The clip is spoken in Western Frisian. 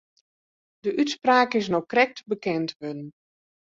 De útspraak is no krekt bekend wurden.